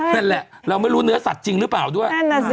นั่นแหละเราไม่รู้เนื้อสัตว์จริงหรือเปล่าด้วย